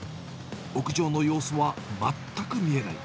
屋上の様子は全く見えない。